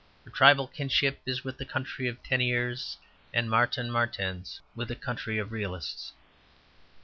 Her tribal kinship is with the country of Teniers and Maarten Maartens that is, with a country of realists.